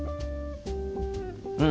うん。